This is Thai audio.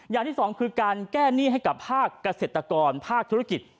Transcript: อย่างที่สองคือการแก้หนี้ให้กับภาคเกษตรกรภาคธุรกิจ